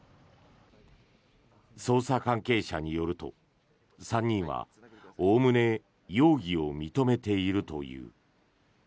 捜査関係者によると３人はおおむね容疑を認めているという。